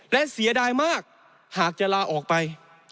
และเสียดายมากหากจะลาออกไป